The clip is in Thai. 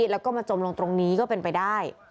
แล้วก็มาจมลงตรงนี้ก็เป็นไปได้